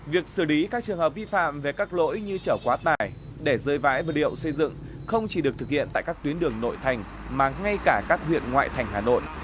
việc xử lý các trường hợp vi phạm về các lỗi như chở quá tải để rơi vãi vật liệu xây dựng không chỉ được thực hiện tại các tuyến đường nội thành mà ngay cả các huyện ngoại thành hà nội